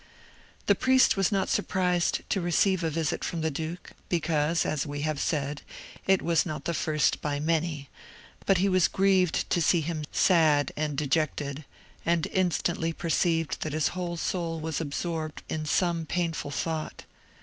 The priest was not surprised to receive a visit from the duke, because, as we have said, it was not the first by many; but he was grieved to see him sad and dejected, and instantly perceived that his whole soul was absorbed in some painful thought.